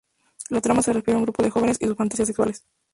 La trama se refiere a un grupo de jóvenes y sus fantasías sexuales.